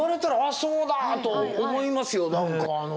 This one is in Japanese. そうだと思いますよなんかあの。